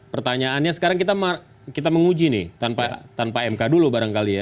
pertanyaannya sekarang kita menguji nih tanpa mk dulu barangkali ya